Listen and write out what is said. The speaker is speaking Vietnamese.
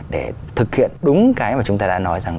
để thực hiện đúng cái mà chúng ta đã nói rằng